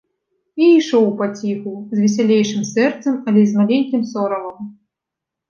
І ішоў паціху, з весялейшым сэрцам, але з маленькім сорамам.